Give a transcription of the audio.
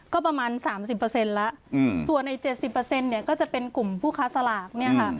ก็ประมาณ๓๐แล้วส่วน๗๐ก็จะเป็นกลุ่มผู้ค้าสลาก